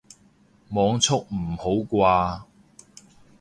網速唔好啩